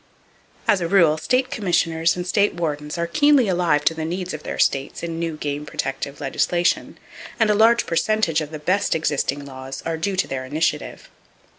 As a rule, state commissioners and state wardens are keenly alive to the needs of their states in new game protective legislation, and a large percentage of the best existing laws are due to their initiative.